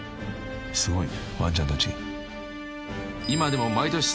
［すごいワンちゃんたち］